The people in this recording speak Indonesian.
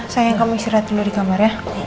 sayang kamu istirahat dulu di kamar ya